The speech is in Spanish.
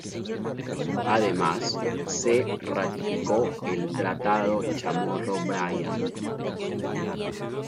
Además, se ratificó el Tratado Chamorro-Bryan.